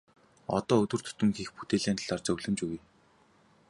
Одоо өдөр тутам хийх бүтээлийн талаар зөвлөмж өгье.